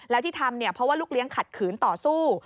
แล้วที่ทำเนี่ยเพราะว่าลูกเลี้ยงขัดขืนต่อสู้